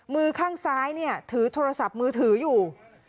มือข้างซ้ายถือโทรศัพท์มือถืออยู่